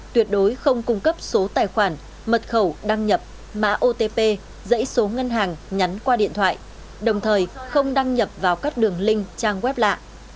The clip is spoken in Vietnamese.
tuyệt đối không cung cấp số tài khoản mật khẩu đăng nhập mã otp dãy số ngân hàng nhắn qua điện thoại đồng thời không đăng nhập vào các đường link trang web lạ